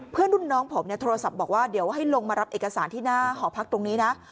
รุ่นน้องผมเนี่ยโทรศัพท์บอกว่าเดี๋ยวให้ลงมารับเอกสารที่หน้าหอพักตรงนี้นะ